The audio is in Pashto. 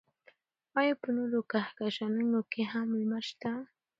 ایا په نورو کهکشانونو کې هم لمر شته؟